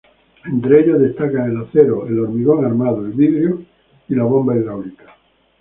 Entre ellos destacan el acero, el hormigón armado, el vidrio, y la bomba hidráulica.